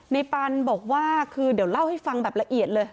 ปันบอกว่าคือเดี๋ยวเล่าให้ฟังแบบละเอียดเลย